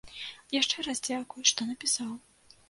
Яшчэ раз дзякуй, што напісаў.